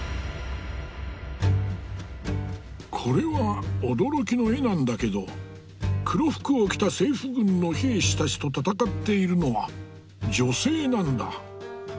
これは驚きの絵なんだけど黒服を着た政府軍の兵士たちと戦っているのは女性なんだ。